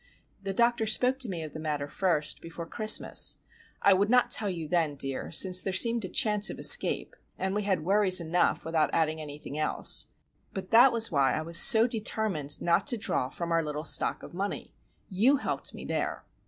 The doctor spoke to me of the matter first before Christmas. I would not tell you then, dear, since there seemed a chance of escape, and we had worries enough without adding anything else. But that was why I was so determined not to draw from our little stock of money. You helped me there.